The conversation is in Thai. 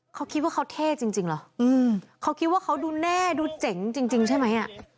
เขาคิดว่าเขาเท่จริงเหรอเขาคิดว่าเขาดูแน่ดูเจ๋งจริงใช่ไหม